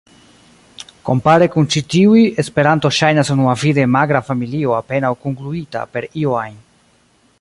Kompare kun ĉi tiuj, Esperanto ŝajnas unuavide magra familio apenaŭ kungluita per io ajn.